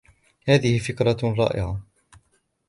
هذهِ فكرة رائعة.